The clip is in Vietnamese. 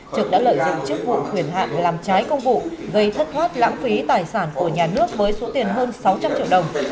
trực đã lợi dụng chức vụ quyền hạn làm trái công vụ gây thất thoát lãng phí tài sản của nhà nước với số tiền hơn sáu trăm linh triệu đồng